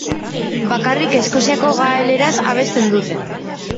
Bakarrik eskoziako gaeleraz abesten dute.